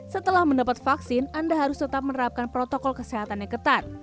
setelah mendapat vaksin anda harus tetap menerapkan protokol kesehatan yang ketat